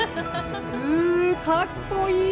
かっこいい！